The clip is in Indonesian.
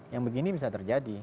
yang begini bisa terjadi